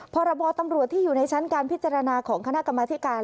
พรบตำรวจที่อยู่ในชั้นการพิจารณาของคณะกรรมธิการ